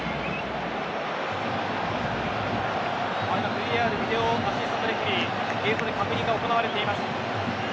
ＶＡＲビデオ・アシスタント・レフェリー確認が行われています。